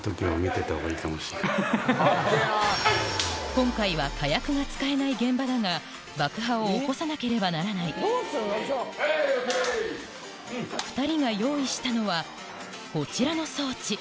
今回は火薬が使えない現場だが爆破を起こさなければならない２人が用意したのはこちらの装置